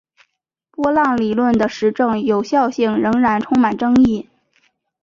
波浪理论的实证有效性仍然充满争议。